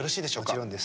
もちろんです。